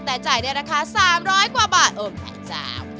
แต่จ่ายได้ราคา๓๐๐กว่าบาทโอม๘เจ้า